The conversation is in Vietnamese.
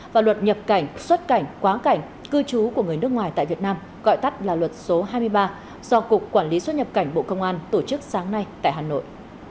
và luật nhập cảnh xuất cảnh quá cảnh cư trú của người nước ngoài tại việt nam gọi tắt là luật số hai mươi ba do cục quản lý xuất nhập cảnh bộ công an tổ chức sáng nay tại hà nội